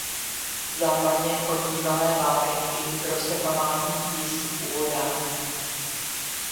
Západně od bývalé vápenky roste památný Tis u vodárny.